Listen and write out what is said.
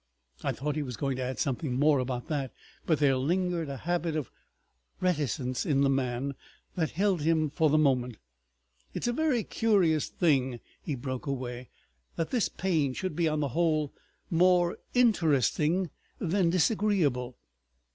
I thought he was going to add something more about that, but there lingered a habit of reticence in the man that held him for the moment. "It is a very curious thing," he broke away; "that this pain should be, on the whole, more interesting than disagreeable."